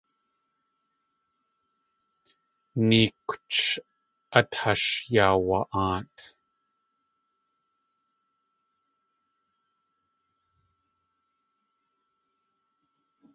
Néekwch at ash yaawa.aat.